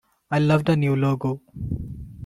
I love the new logo!